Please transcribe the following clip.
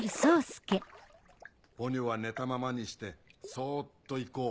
ポニョは寝たままにしてそっと行こう。